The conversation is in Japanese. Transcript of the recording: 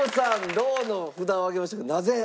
ローの札を上げましたけどなぜ？